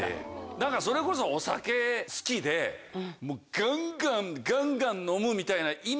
何かそれこそお酒好きでガンガンガンガン飲むみたいなイメージ。